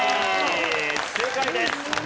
正解です。